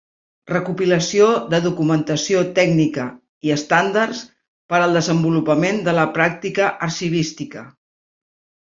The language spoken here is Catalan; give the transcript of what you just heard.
Recopilació de documentació tècnica i estàndards per al desenvolupament de la pràctica arxivística.